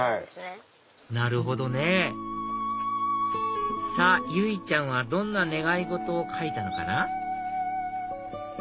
なるほどねさぁ由依ちゃんはどんな願い事を書いたのかな？